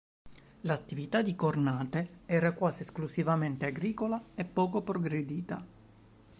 L’attività di Cornate era quasi esclusivamente agricola e poco progredita.